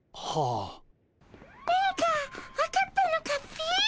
何か分かったのかっピ？